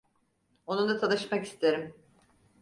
Onunla tanışmak isterim.